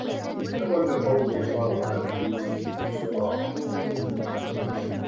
لو أن قومي طاوعتني سراقهم